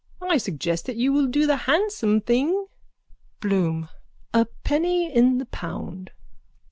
_ I suggest that you will do the handsome thing. BLOOM: A penny in the pound.